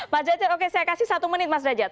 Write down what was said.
mas dajat oke saya kasih satu menit mas dajat